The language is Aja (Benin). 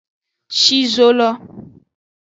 Shi zo lo.